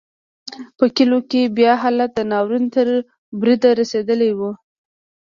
په کلیو کې بیا حالت د ناورین تر بریده رسېدلی و.